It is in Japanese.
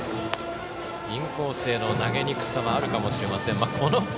インコースへの投げにくさはあるかもしれません。